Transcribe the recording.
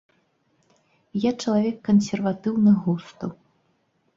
Я чалавек кансерватыўных густаў.